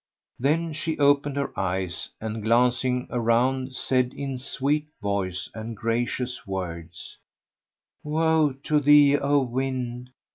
Then she opened her eyes and glancing around said, in sweet voice and gracious words, "Woe to thee O wind!